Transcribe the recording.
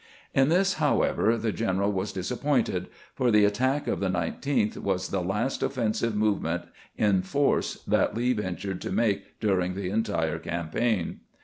In this, however, the general was disap pointed ; for the attack of the 19th was the last offensive movement in force that Lee ventured to make during the entire campaign.